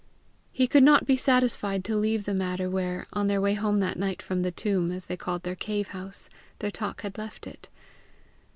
He could not be satisfied to leave the matter where, on their way home that night from THE TOMB, as they called their cave house, their talk had left it.